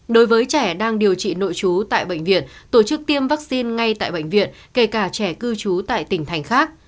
đối với trẻ đang điều trị nội trú tại bệnh viện tổ chức tiêm vaccine ngay tại bệnh viện kể cả trẻ cư trú tại tỉnh thành khác